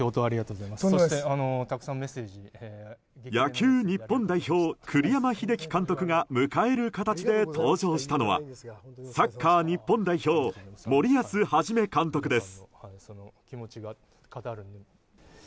野球日本代表、栗山英樹監督が迎える形で登場したのはサッカー日本代表森保一監督です。